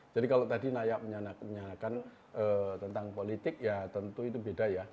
jadi kalau tadi naya menyalakan tentang politik ya tentu itu beda ya